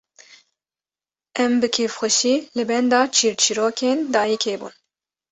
Em bi kêfxweşî li benda çîrçîrokên dayîkê bûn